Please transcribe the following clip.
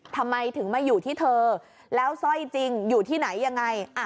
ทำไมถึงมาอยู่ที่เธอแล้วสร้อยจริงอยู่ที่ไหนยังไง